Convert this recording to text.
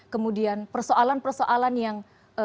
kemudian persoalan persoalan yang